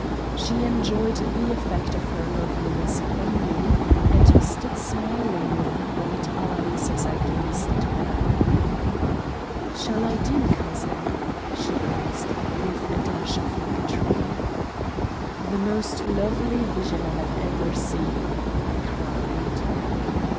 She enjoyed the effect of her loveliness upon me, and stood smiling with bright eyes as I gazed at her. "Shall I do, cousin?" she asked, with a dash of coquetry. "The most lovely vision I have ever seen," I cried.